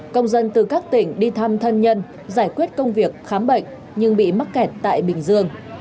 công dân từ các tỉnh đi thăm thân nhân giải quyết công việc khám bệnh nhưng bị mắc kẹt tại bình dương